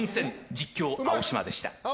実況は青嶋でした。